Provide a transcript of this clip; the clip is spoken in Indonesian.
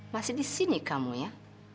masih disini kamu ya